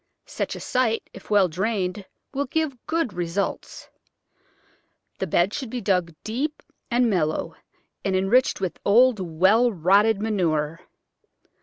Such a site, if well drained, will give good results. The bed should be dug deep and mellow, and enriched with old, well rotted manure.